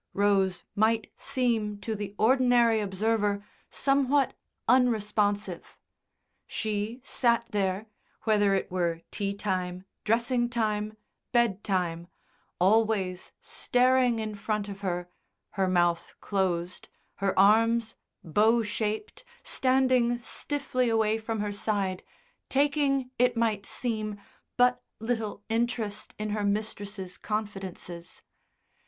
Rose might seem to the ordinary observer somewhat unresponsive. She sat there, whether it were tea time, dressing time, bed time, always staring in front of her, her mouth closed, her arms, bow shaped, standing stiffly away from her side, taking, it might seem, but little interest in her mistress's confidences.